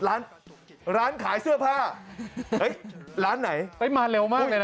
ร้านขายเสื้อผ้าทั้งร้านไหนที่มาเร็วมากเลยนะ